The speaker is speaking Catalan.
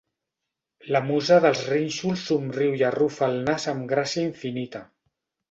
La musa dels rínxols somriu i arrufa el nas amb gràcia infinita.